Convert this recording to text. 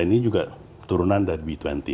ini juga turunan dari b dua puluh